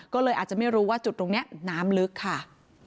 ก็เลยอาจจะไม่รู้ว่าจุดตรงนี้น้ำลึกค่ะ